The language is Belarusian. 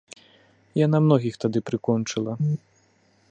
Яна многіх тады прыкончыла.